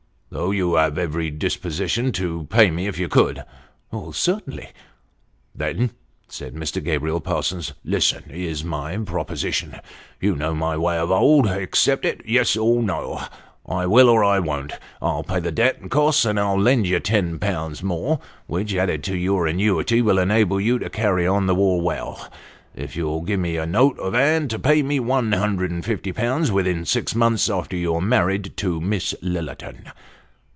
' Though you have every disposition to pay me if you could ?"' Certainly." ' Then," said Mr. Gabriel Parsons, " listen : here's my proposition. You know my way of old. Accept it yes or no I will or I won't. I'll pay the debt and costs, and I'll lend you 10Z. more (which, added to your annuity, will enable you to carry on the war well) if you'll give me your note of hand to pay me one hundred and fifty pounds within six months after you are married to Miss Lillerton."